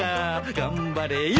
頑張れよ！